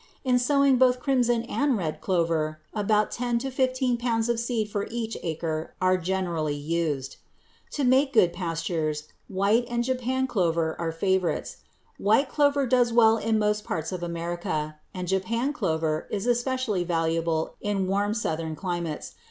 In sowing both crimson and red clover, about ten to fifteen pounds of seed for each acre are generally used. To make good pastures, white and Japan clover are favorites. White clover does well in most parts of America, and Japan clover is especially valuable in warm Southern climates.